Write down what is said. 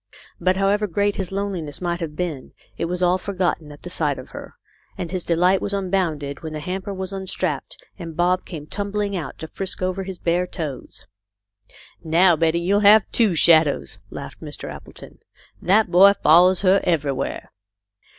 But however great his loneliness might have been, it was all forgotten a*, the sight of her, and his delight was unbounded when the hamper was unstrapped and Bob came tumbling out to frisk over his bare toes. " Now Betty will have two shadows," laughed Mr. Appleton. " That boy follows her everywhere."